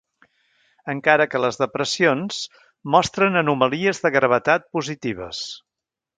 Encara que les depressions, mostren anomalies de gravetat positives.